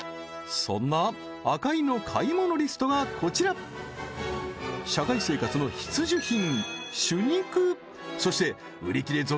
そんな赤井の買い物リストがこちら社会生活の必需品朱肉そして売り切れ続出